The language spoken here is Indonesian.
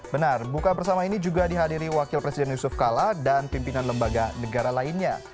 benar buka bersama ini juga dihadiri wakil presiden yusuf kala dan pimpinan lembaga negara lainnya